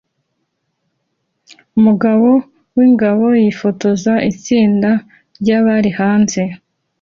Umugabo wingabo yifotoza itsinda ryabari hanze